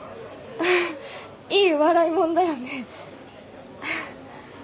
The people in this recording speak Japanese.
いい笑い者だよね。